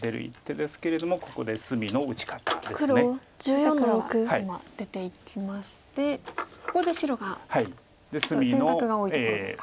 そして黒が今出ていきましてここで白が選択が多いところですか。